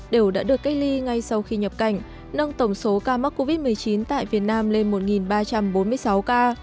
đều đã được cách ly ngay sau khi nhập cảnh nâng tổng số ca mắc covid một mươi chín tại việt nam lên một ba trăm bốn mươi sáu ca